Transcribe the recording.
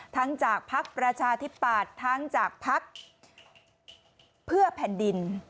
จากภักดิ์ประชาธิปัตย์ทั้งจากพักเพื่อแผ่นดิน